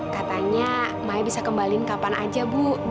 katanya maya bisa kembalin kapan aja bu